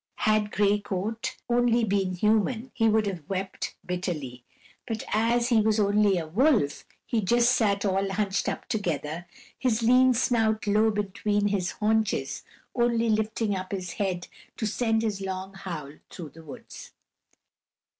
Had Gray Coat only been human, he would have wept bitterly; as he was only a wolf, he just sat all hunched up together, his lean snout low between his haunches, only lifting up his head to send his long howl through the woods.